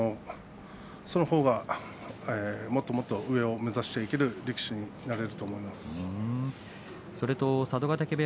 そのほうがもっともっと上を目指していける力士になれると思います。